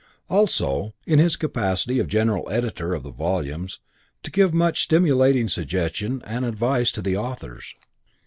Also, in his capacity of general editor of the volumes, to give much stimulating suggestion and advice to the authors.